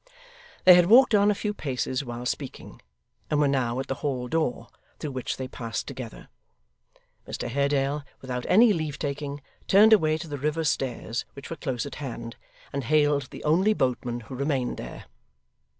They had walked on a few paces while speaking, and were now at the Hall door, through which they passed together. Mr Haredale, without any leave taking, turned away to the river stairs, which were close at hand, and hailed the only boatman who remained there.